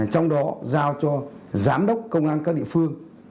trong đó giao cho giám đốc công an các địa phương